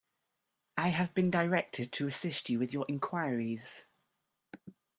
I have been directed to assist you with your enquiries.